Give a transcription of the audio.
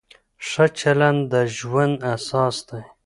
ښه چلند د ژوند اساس دی.